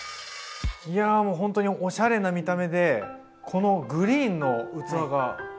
いやもうほんとにおしゃれな見た目でこのグリーンの器が。